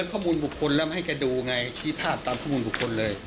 ข้อมูลบุคคลแล้วมาให้แกดูไงชี้ภาพตามข้อมูลบุคคลเลย